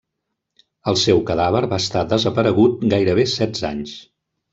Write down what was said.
El seu cadàver va estar desaparegut gairebé setze anys.